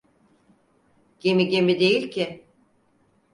Gemi gemi değil ki!